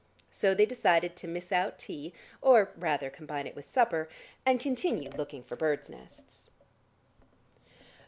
So they decided to miss out tea, or rather combine it with supper, and continue looking for birds' nests.